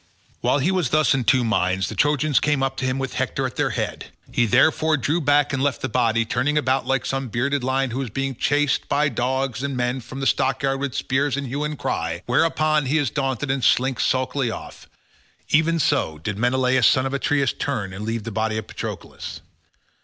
While he was thus in two minds, the Trojans came up to him with Hector at their head; he therefore drew back and left the body, turning about like some bearded lion who is being chased by dogs and men from a stockyard with spears and hue and cry, whereon he is daunted and slinks sulkily off—even so did Menelaus son of Atreus turn and leave the body of Patroclus.